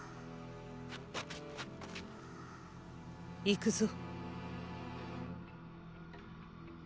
行くぞ。